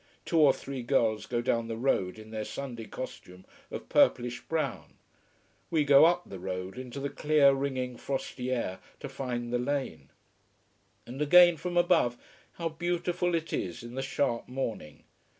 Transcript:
Two or three girls go down the road in their Sunday costume of purplish brown. We go up the road, into the clear, ringing frosty air, to find the lane. And again, from above, how beautiful it is in the sharp morning!